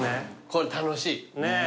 これ楽しい。ねぇ。